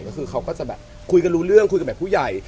ก็คือเขาก็จะแบบคุยกันรู้เรื่องคุยกันแบบผู้ใหญ่